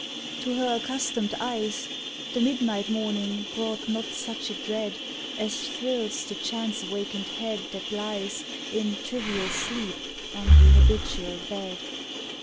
To her accustomed eyes The midnight morning brought not such a dread As thrills the chance awakened head that lies In trivial sleep on the habitual bed.